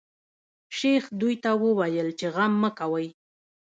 شیخ دوی ته وویل چې غم مه کوی.